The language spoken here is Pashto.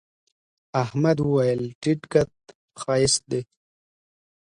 احمد وويل: تيت قد ښایست دی.